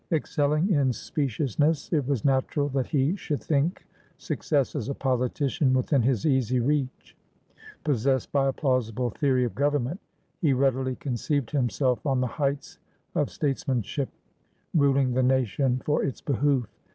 Excelling in speciousness, it was natural that he should think success as a politician within his easy reach; possessed by a plausible theory of government, he readily conceived himself on the heights of statesmanship, ruling the nation for its behoof.